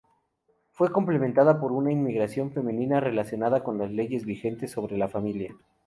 Fue complementada por una inmigración femenina relacionada con las leyes vigentes sobre la familia.